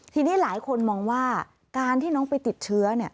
ทีนี้หลายคนมองว่าการที่น้องไปติดเชื้อ